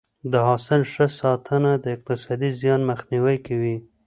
د حاصل ښه ساتنه د اقتصادي زیان مخنیوی کوي.